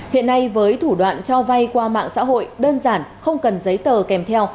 hiện nay với thủ đoạn cho vay qua mạng xã hội đơn giản không cần giấy tờ kèm theo